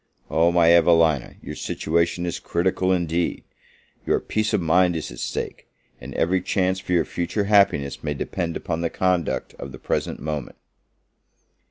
Oh, my Evelina, your situation is critical indeed! your peace of mind is at stake, and every chance for your future happiness may depend upon the conduct of the present moment.